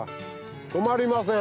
止まりません。